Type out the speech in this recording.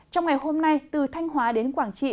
trong ngày hôm nay từ thanh hóa đến quảng trị